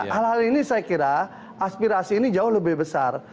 hal hal ini saya kira aspirasi ini jauh lebih besar